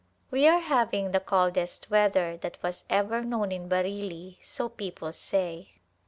We are having the coldest weather that was ever known in Bareilly, so people say.